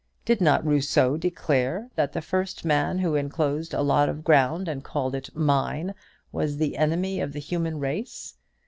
Did not Rousseau declare that the first man who enclosed a lot of ground and called it 'mine' was the enemy of the human race?